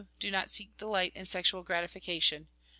Do not seek delight in sexual gratification.